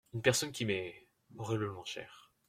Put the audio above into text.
Une personne qui m'est … horriblement chère.